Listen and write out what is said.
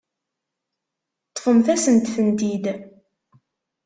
Ṭṭfemt-asent-tent-id.